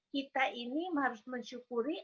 kita ini harus mensyukuri